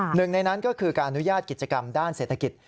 หนึ่งในนั้นก็คือการอนุญาตกิจกรรมด้านเศรษฐกิจ